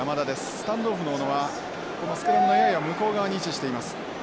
スタンドオフの小野はこのスクラムのやや向こう側に位置しています。